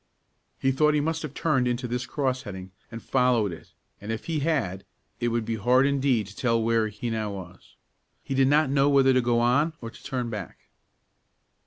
He thought he must have turned into this cross heading, and followed it, and if he had, it would be hard indeed to tell where he now was. He did not know whether to go on or to turn back.